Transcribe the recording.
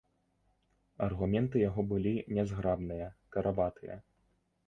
Аргументы яго былі нязграбныя, карабатыя.